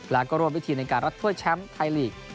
แล้วก็ร่วมไปทีมในการรัดถ้วยแชมป์ไทยลีก๒๐๑๖